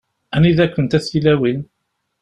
Anida-kent a tilawin?